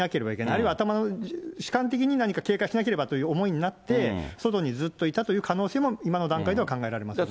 あるいは頭の、主観的に何か警戒しなければという思いになって、外にずっといたという可能性も、今の段階では考えられますよね。